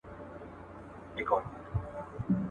د خره محبت يا گوز دئ، يا لغته.